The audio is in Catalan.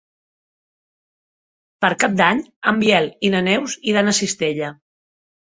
Per Cap d'Any en Biel i na Neus iran a Cistella.